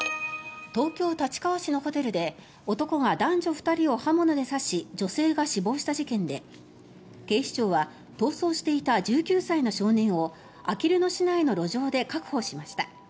東京・立川市のホテルで男が男女２人を刃物で刺し女性が死亡した事件で警視庁は逃走していた１９歳の少年をあきる野市内の路上で確保しました。